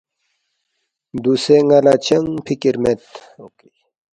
دوسے ن٘ا لہ چنگ فِکر مید